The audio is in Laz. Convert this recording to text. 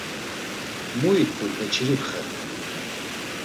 “Mu it̆ur Beçiripxe?”